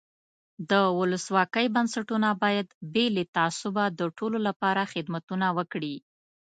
د ولسواکۍ بنسټونه باید بې له تعصبه د ټولو له پاره خدمتونه وکړي.